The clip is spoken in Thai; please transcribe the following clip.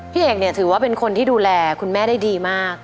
เอกเนี่ยถือว่าเป็นคนที่ดูแลคุณแม่ได้ดีมาก